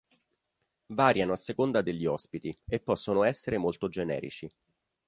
Variano a seconda degli ospiti e possono essere molto generici.